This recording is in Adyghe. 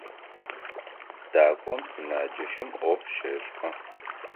Дакӏом сымэджэщым ӏоф щешӏэ.